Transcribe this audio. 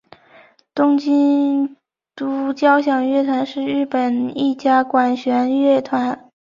东京都交响乐团是日本的一家管弦乐团。